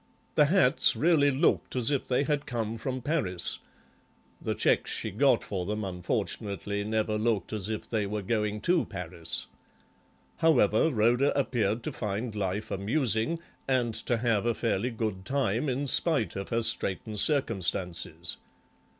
The hats really looked as if they had come from Paris; the cheques she got for them unfortunately never looked as if they were going to Paris. However, Rhoda appeared to find life amusing and to have a fairly good time in spite of her straitened circumstances.